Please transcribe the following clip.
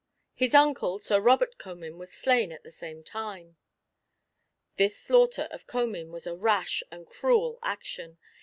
His uncle, Sir Robert Comyn, was slain at the same time. This slaughter of Comyn was a rash and cruel action.